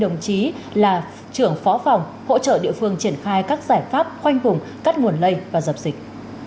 đồng chí là trưởng phó phòng hỗ trợ địa phương triển khai các giải pháp khoanh vùng cắt nguồn lây và dập dịch